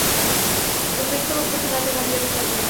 El proyecto más personal de María Villalón.